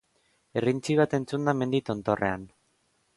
Irrintzi bat entzun da mendi tontorrean.